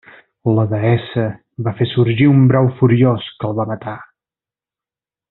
La deessa va fer sorgir un brau furiós que el va matar.